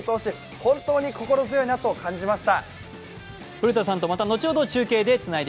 本当に心強いなと感じました。